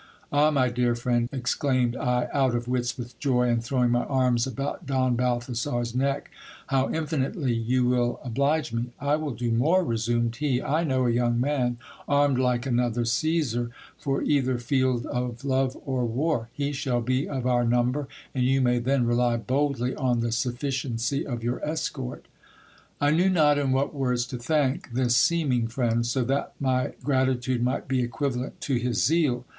Ah ! my dear friend, exclaimed I, out of wits with joy, and throwing my arms about Don Balthazar's neck, how infinitely you wdl oblige me ! I will do more, resumed he ; I know a young man, armed like HISTOR Y OF BOX RAPHAEL. 205 another Caesar, for either field of love or war ; he shall be of our number, and you may then rely boldly on the sufficiency of your escort. I knew not in what words to thank this seeming friend, so that my gratitude might be equivalent to his zeal.